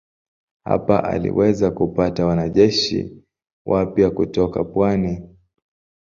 Hapa aliweza kupata wanajeshi wapya kutoka pwani.